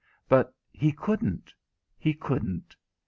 But he couldn't he couldn't.